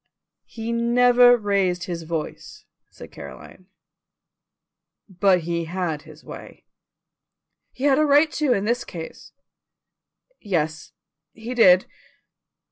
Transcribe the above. "He never raised his voice," said Caroline; "but he had his way." "He had a right to in this case." "Yes, he did."